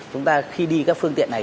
chúng ta khi đi các phương tiện này